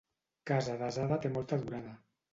Casa desada té molta durada.